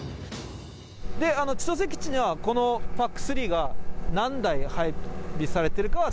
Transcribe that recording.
千歳基地には、このＰＡＣ３が何台配備されているかは？